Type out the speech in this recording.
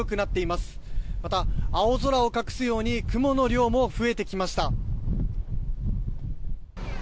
また、青空を隠すように雲の量も増えてきました。